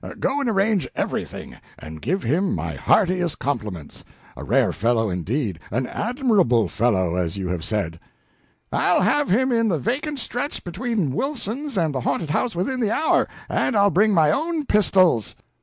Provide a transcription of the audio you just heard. Go and arrange everything and give him my heartiest compliments. A rare fellow, indeed; an admirable fellow, as you have said!" Howard hurried away, saying "I'll have him in the vacant stretch between Wilson's and the haunted house within the hour, and I'll bring my own pistols."